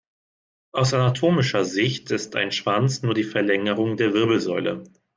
Aus anatomischer Sicht ist ein Schwanz nur die Verlängerung der Wirbelsäule.